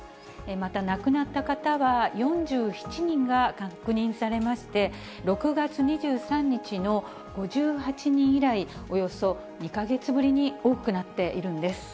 また亡くなった方は４７人が確認されまして、６月２３日の５８人以来、およそ２か月ぶりに多くなっているんです。